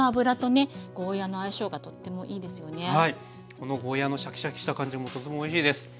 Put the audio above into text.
このゴーヤーのシャキシャキした感じもとてもおいしいです。